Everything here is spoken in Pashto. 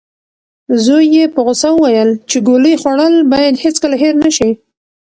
زوی یې په غوسه وویل چې ګولۍ خوړل باید هیڅکله هېر نشي.